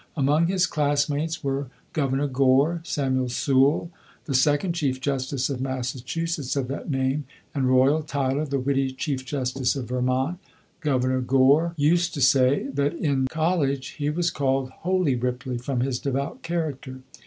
Among his classmates were Governor Gore, Samuel Sewall, the second chief justice of Massachusetts of that name, and Royal Tyler, the witty chief justice of Vermont. Governor Gore used to say that in college he was called "Holy Ripley," from his devout character.